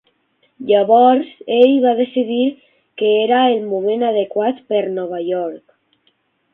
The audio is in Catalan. Llavors ell va decidir que era el moment adequat per Nova York.